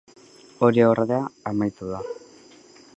Hori ordea, amaitu da.